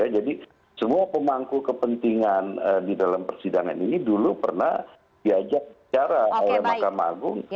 jadi semua pemangku kepentingan di dalam persidangan ini dulu pernah diajak secara oleh makam agung